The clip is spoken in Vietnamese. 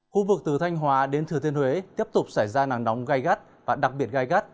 khu vực từ thanh hóa đến thừa thiên huế tiếp tục xảy ra nắng nóng gai gắt và đặc biệt gai gắt